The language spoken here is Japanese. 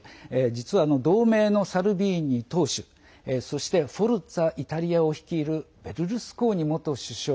実は、同盟のサルビーニ党首そしてフォルツァ・イタリアを率いるベルルスコーニ元首相。